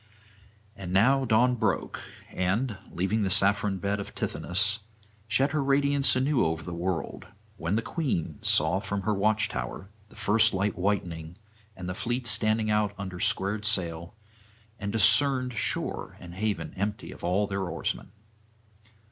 And now Dawn broke, and, leaving the saffron bed of Tithonus, shed her radiance anew over the world; when the Queen saw from her watch tower the first light whitening, and the fleet standing out under squared sail, and discerned shore and haven empty of all their oarsmen.